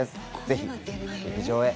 ぜひ劇場へ。